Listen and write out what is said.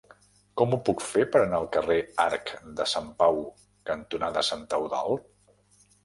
Com ho puc fer per anar al carrer Arc de Sant Pau cantonada Sant Eudald?